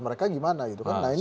mereka gimana itu kan